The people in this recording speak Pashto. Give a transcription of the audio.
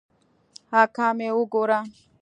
اکا مې وګوره.